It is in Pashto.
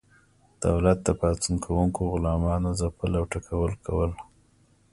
دولت د پاڅون کوونکو غلامانو ځپل او ټکول کول.